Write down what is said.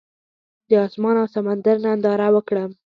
د اسمان او سمندر ننداره وکړم.